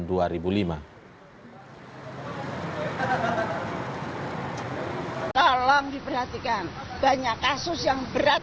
tolong diperhatikan banyak kasus yang berat